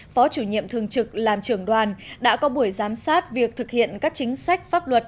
phó chủ nhiệm thường trực làm trưởng đoàn đã có buổi giám sát việc thực hiện các chính sách pháp luật